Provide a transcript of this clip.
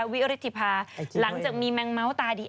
วิริธิภาหลังจากมีแมงเม้าตาดี